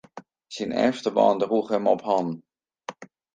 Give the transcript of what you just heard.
Syn efterban droech him op hannen.